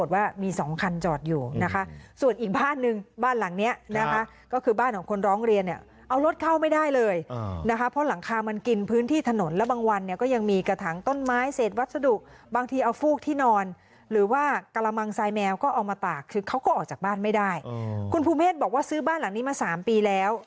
ว่ามี๒คันจอดอยู่นะคะส่วนอีกบ้านนึงบ้านหลังเนี่ยนะคะก็คือบ้านของคนร้องเรียนเนี่ยเอารถเข้าไม่ได้เลยนะคะเพราะหลังคามันกินพื้นที่ถนนแล้วบางวันเนี่ยก็ยังมีกระถังต้นไม้เศษวัสดุบางทีเอาฟูกที่นอนหรือว่ากระมังทรายแมวก็เอามาตากคือเขาก็ออกจากบ้านไม่ได้คุณภูเมฆบอกว่าซื้อบ้านหลังนี้มา๓ปีแล